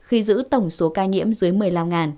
khi giữ tổng số ca nhiễm dưới một mươi năm